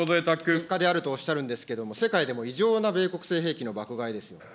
結果であるとおっしゃるんですけれども、世界でも異常な米国製兵器の爆買いです。